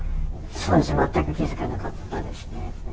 そうです、全く気が付かなかったですね。